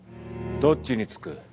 どっちにつく？